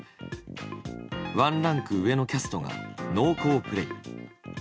ワンランク上のキャストが濃厚プレイ。